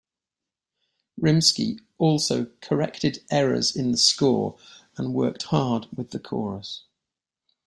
Rimsky also corrected errors in the score and worked hard with the chorus.